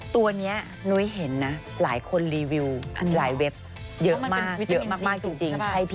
ตัวนี้นุ้ยเห็นนะหลายคนรีวิวหลายเว็บเยอะมากเยอะมากจริง